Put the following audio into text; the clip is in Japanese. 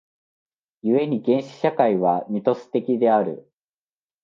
故に原始社会はミトス的である。